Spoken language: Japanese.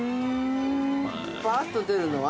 ◆ばあっと出るのは？